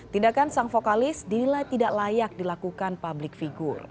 tindakan sang vokalis dinilai tidak layak dilakukan publik figur